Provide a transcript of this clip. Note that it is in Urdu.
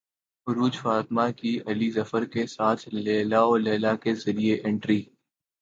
عروج فاطمہ کی علی ظفر کے ساتھ لیلی او لیلی کے ذریعے انٹری